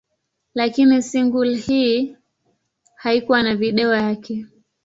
Lakini single hii haikuwa na video yake.